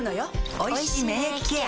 おいしい免疫ケア